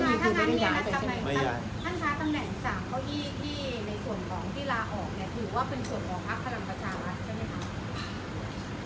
ถ้าท่านนายแน่นแล้วทำไม